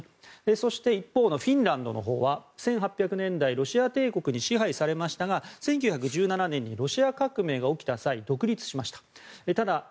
そして一方のフィンランドのほうは１８００年代ロシア帝国に支配されましたが１９１７年にロシア革命が起きた際に独立しました。